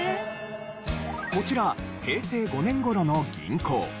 こちら平成５年頃の銀行。